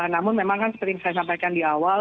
namun memang kan seperti yang saya sampaikan di awal